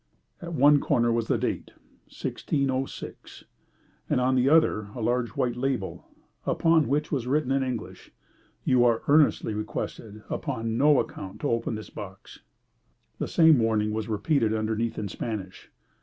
In one corner was the date, 1606, and on the other a large white label, upon which was written in English, "You are earnestly requested, upon no account, to open this box." The same warning was repeated underneath in Spanish.